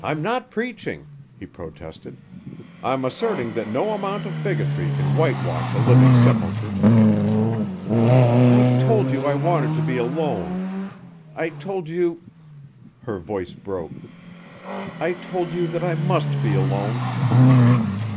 "I'm not preaching," he protested. "I'm asserting that no amount of bigotry can white wash a living sepulcher." "I told you I wanted to be alone.... I told you " Her voice broke. "I told you that I must be alone."